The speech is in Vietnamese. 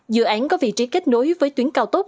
dự án có vị trí kết nối với tuyến cao tốc